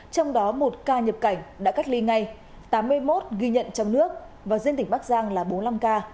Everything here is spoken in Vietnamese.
trong đó một ca nhập cảnh đã cách ly ngay tám mươi một ghi nhận trong nước và riêng tỉnh bắc giang là bốn mươi năm ca